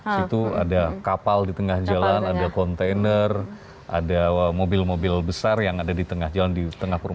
di situ ada kapal di tengah jalan ada kontainer ada mobil mobil besar yang ada di tengah jalan di tengah perumahan